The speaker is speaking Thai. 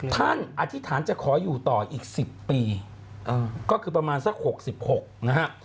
อธิษฐานจะขออยู่ต่ออีก๑๐ปีก็คือประมาณสัก๖๖นะฮะ